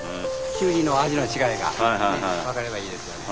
キュウリの味の違いが分かればいいですよね。